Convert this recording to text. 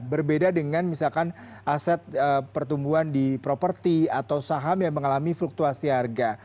berbeda dengan misalkan aset pertumbuhan di properti atau saham yang mengalami fluktuasi harga